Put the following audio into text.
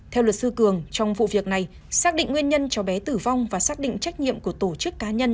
theo luật sư cường trong vụ việc này xác định nguyên nhân cháu bé tử vong và xác định trách nhiệm của tổ chức cá nhân